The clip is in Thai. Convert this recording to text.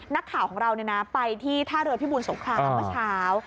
นักข่าวของเราไปที่ท่าเรือพิบูรสงครามเมื่อเช้า